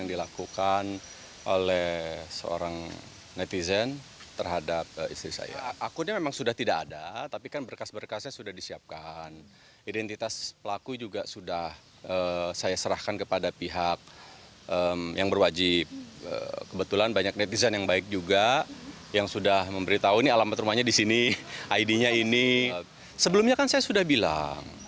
istrinya ini sebelumnya kan saya sudah bilang